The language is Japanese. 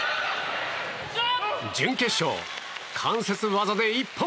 準決勝、関節技で一本。